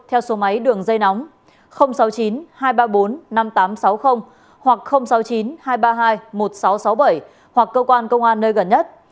theo số máy đường dây nóng sáu mươi chín hai trăm ba mươi bốn năm nghìn tám trăm sáu mươi hoặc sáu mươi chín hai trăm ba mươi hai một nghìn sáu trăm sáu mươi bảy hoặc cơ quan công an nơi gần nhất